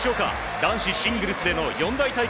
男子シングルスでの四大大会